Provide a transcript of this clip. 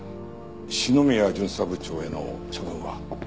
篠宮巡査部長への処分は？